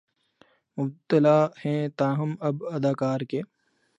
مبتلا ہیں تاہم اب اداکار کے